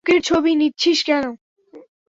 বুকের ছবি নিচ্ছিস কেন?